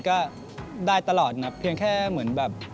ก็ได้ตลอดนะเพียงแค่เหมือนแบบ